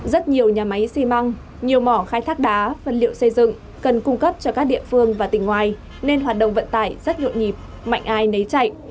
rất nhiều nhà máy xi măng nhiều mỏ khai thác đá vật liệu xây dựng cần cung cấp cho các địa phương và tỉnh ngoài nên hoạt động vận tải rất nhộn nhịp mạnh ai nấy chạy